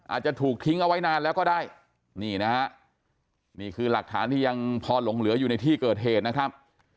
อาจจะถูกทิ้งเอาไว้นานแล้วก็ได้นี่นะฮะนี่คือหลักฐานที่ยังพอหลงเหลืออยู่ในที่เกิดเหตุนะครับ